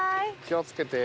気を付けて。